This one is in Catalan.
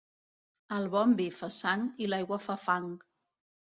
El bon vi fa sang i l'aigua fa fang.